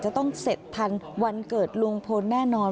จะต้องเสร็จทันวันเกิดลุงพลแน่นอน